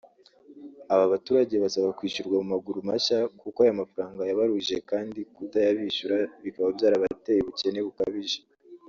Aba baturage basaba kwishyurwa mu maguru mashya kuko ayo mafaranga yabaruhije kandi kutabishyura bikaba byarabateye ubukene bukabije